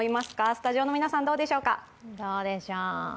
スタジオの皆さん、どうでしょうか。